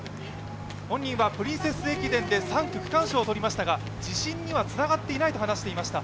本人はプリンセス駅伝で３区区間賞を取りましたが自信にはつながっていないと話していました。